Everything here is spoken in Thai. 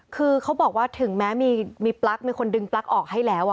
คือเขาบอกว่าถึงแม้มีปลั๊กมีคนดึงปลั๊กออกให้แล้ว